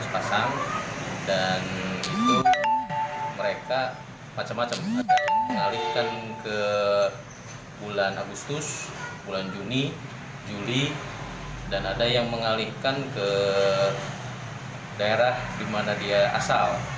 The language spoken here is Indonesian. tujuh belas pasang dan itu mereka macam macam ada yang mengalihkan ke bulan agustus bulan juni juli dan ada yang mengalihkan ke daerah dimana dia asal